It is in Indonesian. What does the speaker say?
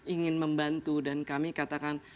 ingin membantu dan kami katakan